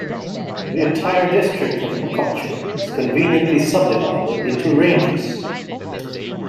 The entire district of Mokokchung is conveniently sub-divided into ranges.